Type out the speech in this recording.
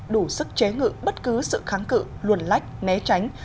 đủ sức chế ngự bất cứ sự kháng cự luồn lách né tránh